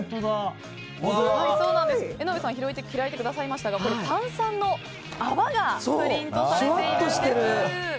江上さん開いてくださいましたが炭酸の泡がプリントされているんです。